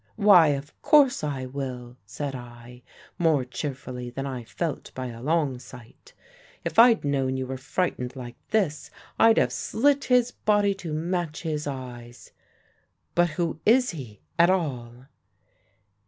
"'Why, of course I will,' said I, more cheerfully than I felt by a long sight. 'If I'd known you were frightened like this, I'd have slit his body to match his eyes. But who is he, at all?'